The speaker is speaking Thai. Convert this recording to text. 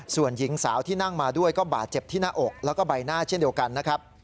ส่วนหญิงสาวที่นั่งมาด้วยก็บาดเจ็บที่หน้าอกแล้วก็ใบหน้าเช่นเดียวกันนะครับ